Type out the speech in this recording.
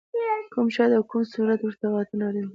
کوم شرایط او کوم صورت ورته اړین دی؟